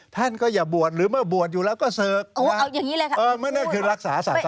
ท่านก็อย่าปวดหรือเมื่อปวดอยู่แล้วก็เสิร์ฟ